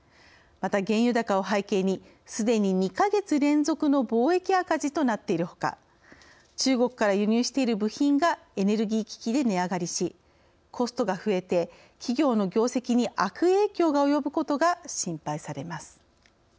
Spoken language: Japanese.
また原油高を背景にすでに２か月連続の貿易赤字となっているほか中国から輸入している部品がエネルギー危機で値上がりしコストが増えて企業の業績に悪影響が及ぶことが心配されます。